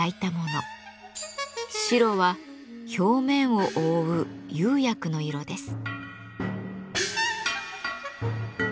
白は表面を覆う釉薬の色です。